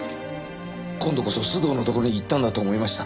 今度こそ須藤のところに行ったんだと思いました。